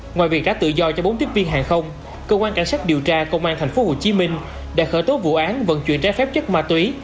ngoài việc trả tự do cho bốn tiếp viên hàng không cơ quan cảnh sát điều tra công an tp hcm đã khởi tố vụ án vận chuyển trái phép chất ma túy